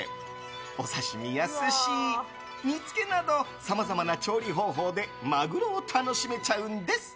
お刺し身や寿司、煮つけなどさまざまな調理方法でマグロを楽しめちゃうんです。